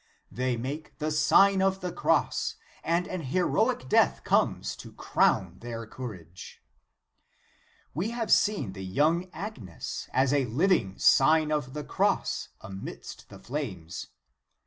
They make the Sign of the Cross, and an heroic death comes to crown their courao e.* o We have seen the young Agnes as a living Sign of the Cross amidst the flames.